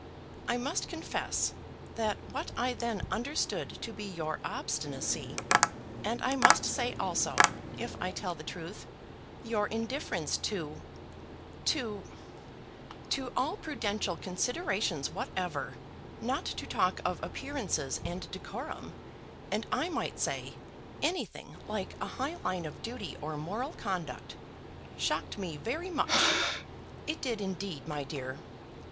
"I must confess that what I then understood to be your obstinacy, and I must say also, if I tell the truth, your indifference to to to all prudential considerations whatever, not to talk of appearances and decorum, and I might say, anything like a high line of duty or moral conduct, shocked me very much. It did, indeed, my dear.